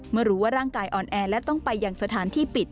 เมื่อรู้ว่าร่างกายอ่อนแอและต้องไปอย่างสถานที่ปิด